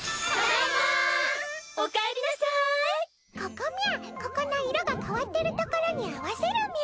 ここの色が変わってるところに合わせるみゃ。